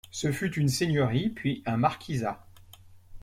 Ce fut une seigneurie puis un Marquisat.